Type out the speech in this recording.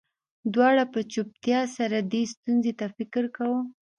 دواړو په چوپتیا سره دې ستونزې ته فکر کاوه